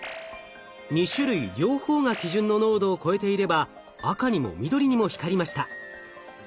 ２種類両方が基準の濃度を超えていれば赤にも緑にも光りました。